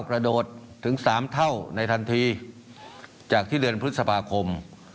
กระโดดถึงสามเท่าในทันทีจากที่เดือนพฤษภาคม